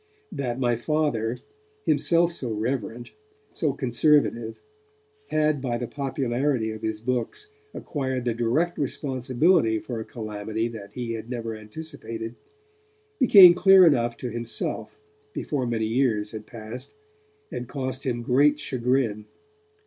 That my Father, himself so reverent, so conservative, had by the popularity of his books acquired the direct responsibility for a calamity that he had never anticipated became clear enough to himself before many years had passed, and cost him great chagrin.